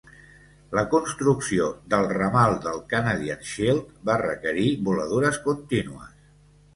La construcció del ramal del Canadian Shield va requerir voladures contínues.